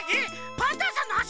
パンタンさんのあし？